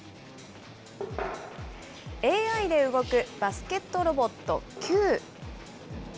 ＡＩで動くバスケットロボット、ＣＵＥ。